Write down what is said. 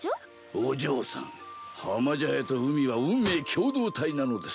お嬢さん浜茶屋と海は運命共同体なのです。